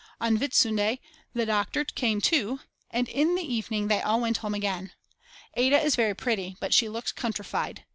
On Whitsunday the doctor came too and in the evening they all went home again. Ada is very pretty, but she looks countrified.